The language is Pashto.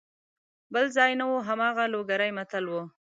بل ځای نه وو هماغه لوګری متل وو.